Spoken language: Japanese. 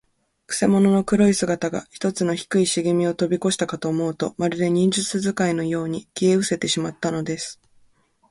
くせ者の黒い姿が、ひとつの低いしげみをとびこしたかと思うと、まるで、忍術使いのように、消えうせてしまったのです。